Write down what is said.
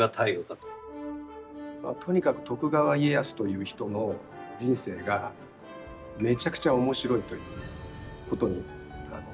とにかく徳川家康という人の人生がめちゃくちゃ面白いということに尽きるんですけど。